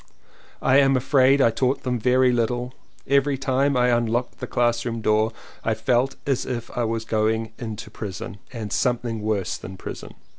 I am afraid I taught them very little, every time I unlocked the classroom door I felt as if I was going into prison and something worse than prison.